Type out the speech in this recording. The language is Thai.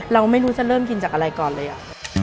เราไม่รู้จะเริ่มกินจากอะไรก่อนเลย